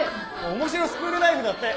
「面白スクールライブ」だって。